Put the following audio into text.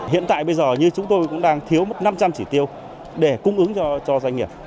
hiện tại bây giờ như chúng tôi cũng đang thiếu năm trăm linh chỉ tiêu để cung ứng cho doanh nghiệp